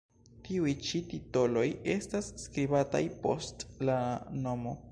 Tiuj ĉi titoloj estas skribataj post la nomo.